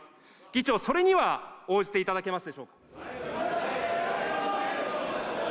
議長、それには応じていただけますでしょうか。